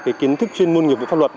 kiến thức chuyên môn nghiệp với pháp luật